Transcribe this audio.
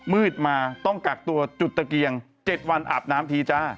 มืดมาต้องกักตัวจุดตะเกียง๗วันอาบน้ำทีจ้า